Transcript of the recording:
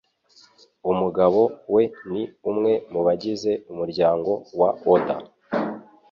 Umugabo we ni umwe mu bagize umuryango wa Oda.